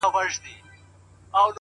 o گراني بس څو ورځي لاصبر وكړه.